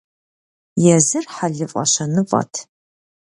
Езыр хьэлыфӀэ-щэныфӀэт.